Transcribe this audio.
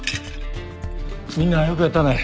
みんなよくやったね。